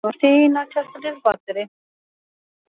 S-ar recunoaște ei în această dezbatere?